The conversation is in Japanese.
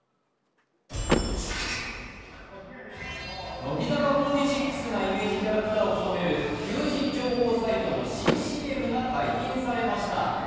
乃木坂４６がイメージキャラクターを務める求人情報サイトの新ＣＭが解禁されました。